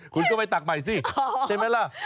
คุณก็ไปตักใหม่สิใช่ไหมล่ะ